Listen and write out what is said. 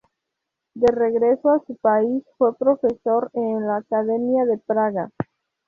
De regreso a su país fue profesor en la Academia de Praga.